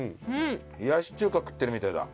冷やし中華食ってるみたいだ。